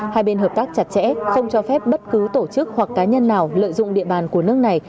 hai bên hợp tác chặt chẽ không cho phép bất cứ tổ chức hoặc cá nhân nào lợi dụng địa bàn của nước này